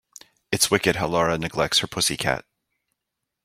It's wicked how Lara neglects her pussy cat.